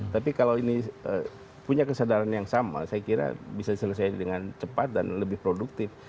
tapi kalau ini punya kesadaran yang sama saya kira bisa diselesai dengan cepat dan lebih produktif